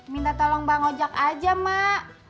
minta tolong bang ojek aja mak